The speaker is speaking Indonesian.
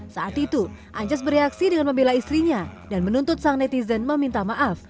saat itu anjas bereaksi dengan membela istrinya dan menuntut sang netizen meminta maaf